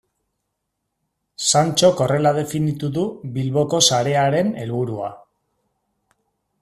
Santxok horrela definitu du Bilboko sarearen helburua.